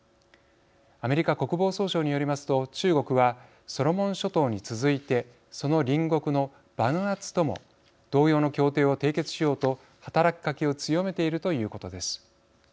アメリカ国防総省によりますと中国は、ソロモン諸島に続いてその隣国のバヌアツとも同様の協定を締結しようと働きかけを強めているということです。